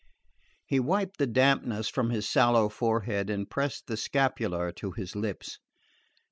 He wiped the dampness from his sallow forehead and pressed the scapular to his lips.